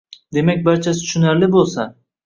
Demak barchasi tushunarli bo‘lsa